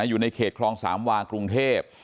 อยู่ในเขตคลองสามวากรุงเทพ